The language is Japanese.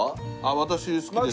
私好きです。